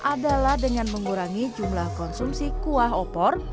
adalah dengan mengurangi jumlah konsumsi kuah opor